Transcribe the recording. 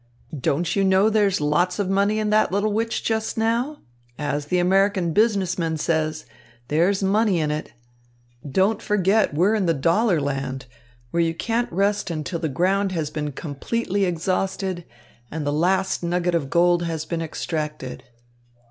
"Don't you know there's lots of money in that little witch just now? As the American business man says, 'There's money in it.' Don't forget we're in the dollar land, where you can't rest until the ground has been completely exhausted and the last nugget of gold has been extracted."